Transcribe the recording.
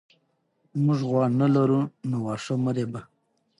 موږ غوا نه لرو نو واښه مه رېبه.